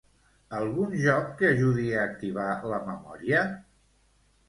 Algun joc que ajudi a activar la memòria?